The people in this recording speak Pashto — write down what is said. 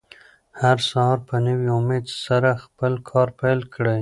هر سهار په نوي امېد سره خپل کار پیل کړئ.